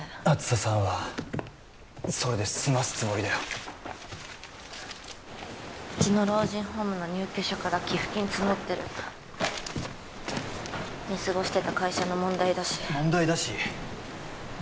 梓さんはそれで済ますつもりだようちの老人ホームの入居者から寄付金募ってる見過ごしてた会社の問題だし問題だし何？